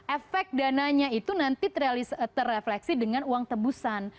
efek dananya itu nanti terefleksi dengan uang tebusan